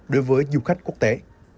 đối với du khách quốc tế